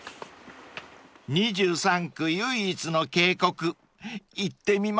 ［２３区唯一の渓谷行ってみましょう］